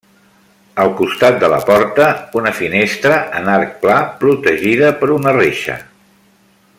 Al costat de la porta, una finestra en arc pla protegida per una reixa.